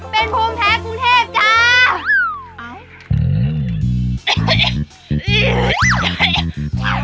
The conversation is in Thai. เป็นภูมิแท้ภูเทศจ้า